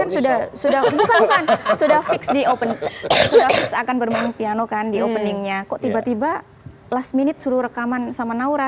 sudah sudah alysi openingnya gemengnya kok tiba tiba last minute suruh rekaman sama naura